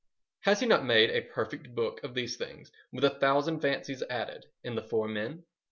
Has he not made a perfect book of these things, with a thousand fancies added, in The Four Men?